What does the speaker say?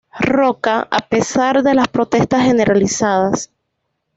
Roca, a pesar de las protestas generalizadas.